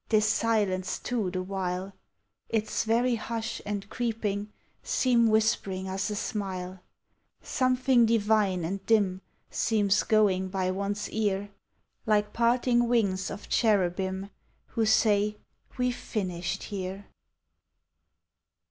This silence too the while,— Its very hush and creeping Seem whispering us a smile; Something divine and dim Seems going by one's ear, Like parting wings of cherubim, Who say, " We \ e finished here."